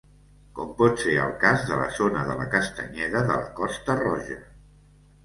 Com pot ser el cas de la zona de la castanyeda de la Costa Roja.